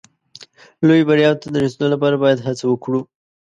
لویو بریاوو ته د رسېدو لپاره باید هڅه وکړو.